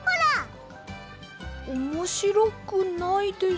おもしろくないです。